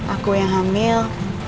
aku yang hamil